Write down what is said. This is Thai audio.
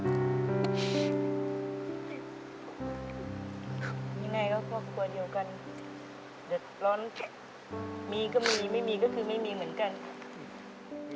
มีก็มีไม่มีก็คือไม่มีเหมือนกัน